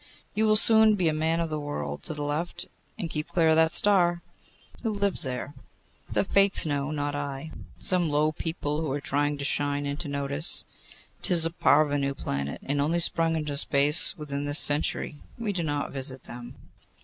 You will soon be a man of the world. To the left, and keep clear of that star.' 'Who lives there?' 'The Fates know, not I. Some low people who are trying to shine into notice. 'Tis a parvenu planet, and only sprung into space within this century. We do not visit them.